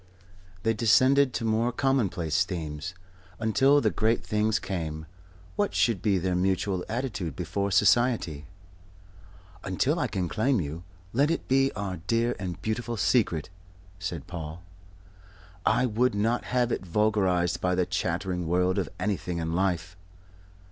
They descended to more commonplace themes. Until the great things came, what should be their mutual attitude before Society? "Until I can claim you, let it be our dear and beautiful secret," said Paul. "I would not have it vulgarized by the chattering world for anything in life."